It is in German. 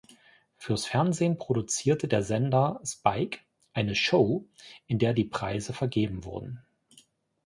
Fürs Fernsehen produzierte der Sender Spike eine Show, in der die Preise vergeben wurden.